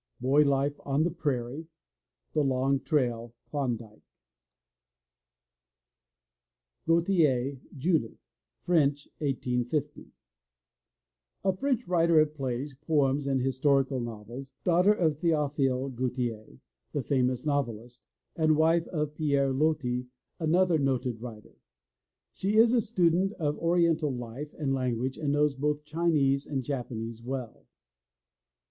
Boy Life on the Prairie The Long Trail (Klondike) GAUTIER, JUDITH (French, 1850 ) A French writer of plays, poems and historical novels, daughter of Theophile Gautier, the famous novelist, and wife of Pierre Loti, another noted writer. She is a student of Oriental life and language and knows both Chinese and Japanese well.